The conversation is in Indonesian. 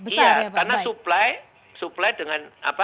iya karena supply nya masih besar ya pak